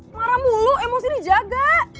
marah mulu emosi dijaga